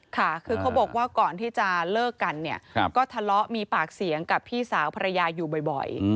ค่ะคือเขาบอกว่าก่อนที่จะเลิกกันเนี่ยก็ทะเลาะมีปากเสียงกับพี่สาวภรรยาอยู่บ่อย